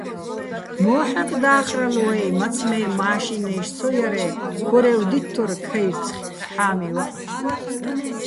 მო́ჰ̦აკ დახრალო ვაჲ, მაცმე́ მა́შინაჲში̆ ცო ჲარე́ ქორევ დითთორ ქაჲრცხი̆ ჰ̦ა́მივაჸ.